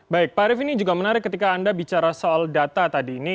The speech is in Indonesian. baik pak arief ini juga menarik ketika anda bicara soal data tadi ini